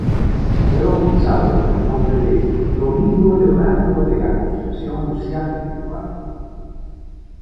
Fue bautizado con el nombre de Domingo Leonardo de la Concepción Luciani Eduardo.